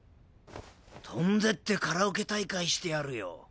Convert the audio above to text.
飛んでってカラオケ大会してやるよ。